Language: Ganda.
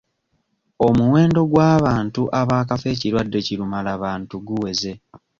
Omuwendo gw'abantu abaakafa ekirwadde kirumalabantu guweze.